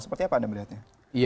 seperti apa anda melihatnya